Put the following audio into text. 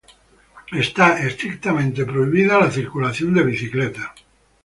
La circulación de bicicletas está estrictamente prohibida.